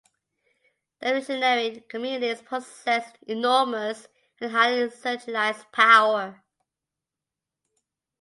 The revolutionary committees possessed enormous and highly centralized power.